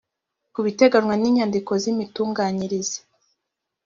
ku biteganywa n inyandiko z imitunganyirize